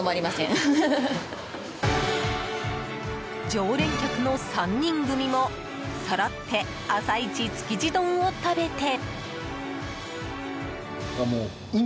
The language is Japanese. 常連客の３人組もそろって朝一築地丼を食べて。